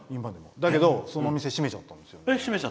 だけど、そのお店閉めちゃったんですよ。